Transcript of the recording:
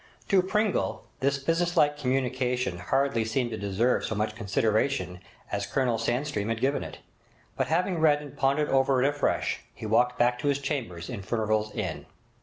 To Pringle this businesslike communication hardly seemed to deserve so much consideration as Colonel Sandstream had given it, but having read and pondered it over afresh, he walked back to his chambers in Furnival's Inn.